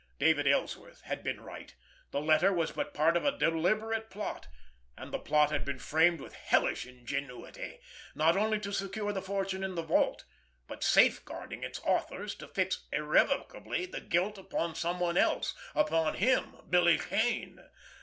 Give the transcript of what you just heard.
David Ellsworth had been right. That letter was but part of a deliberate plot; and the plot had been framed with hellish ingenuity, not only to secure the fortune in the vault, but, safeguarding its authors, to fix irrevocably the guilt upon someone else, upon him, Billy Kane.